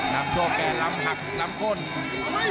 ลำโคกระดำหักลำคลง